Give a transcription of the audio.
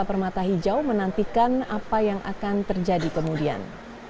permata hijau menantikan apa yang akan terjadi kemudian